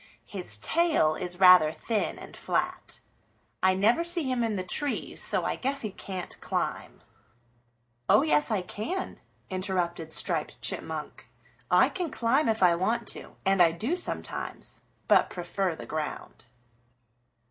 His tail is rather thin and flat. I never see him in the trees, so I guess he can't climb." "Oh, yes, I can," interrupted Striped Chipmunk. "I can climb if I want to, and I do sometimes, but prefer the ground."